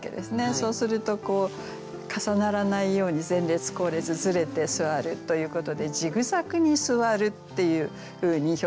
そうすると重ならないように前列後列ずれて座るということで「ジグザグに座る」っていうふうに表現できた。